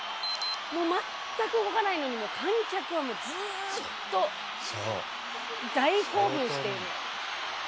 全く動かないのに観客はずっと大興奮している。